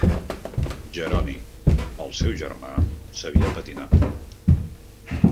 Jeroni, el seu germà, sabia patinar.